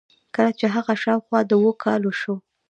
کله چې هغه شاوخوا د اوو کالو شو.